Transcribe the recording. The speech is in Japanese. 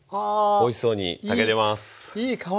おいしそうに炊けてます！